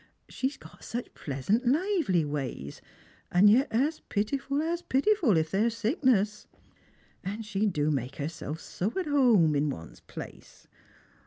She's got such pleasant lively ways, and yet as pitiful as j)itiful if there's sickness. And she do make herself so at home in one's place.